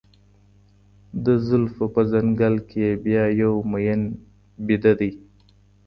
د زلفو په ځـنــګل كـي يـې بـيــا يـو مـيـن ويــــده دى